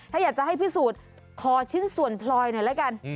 ถ้าอยากจะให้พิสูจน์ขอชิ้นส่วนพลอยหน่อยละกัน